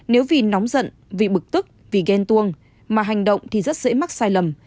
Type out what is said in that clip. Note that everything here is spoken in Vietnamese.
nếu vì nóng giận vì bực tức vì ghen tuông mà hành động thì rất dễ mắc sai lầm